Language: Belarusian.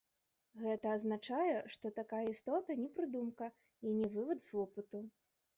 Гэта азначае, што такая істота не прыдумка, і не вывад з вопыту.